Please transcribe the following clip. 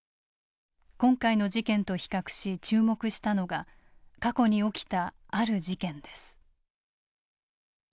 今回の事件と比較し注目したのが過去に起きた、ある事件です。